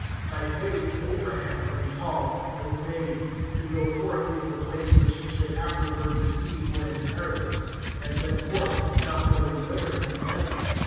(8)By faith Abraham when called obeyed, to go forth into a place which he should afterward receive for an inheritance, and went forth, not knowing whither he went.